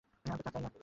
আমি তা চাই নি।